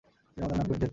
চিনাবাদাম না প্রেটজেল?